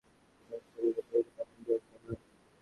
কুমুদকে বলিল, কই রে, তেমন গেঁয়ো তো নয়।